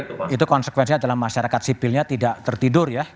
ya itu konsekuensinya adalah masyarakat sipilnya tidak tertidur ya